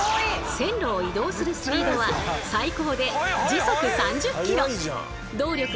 線路を移動するスピードは最高で時速３０ｋｍ。